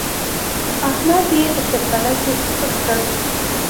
احمد يې تر بڼکې سپک کړ.